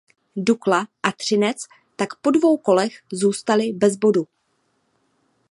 Dukla a Třinec tak po dvou kolech zůstaly bez bodu.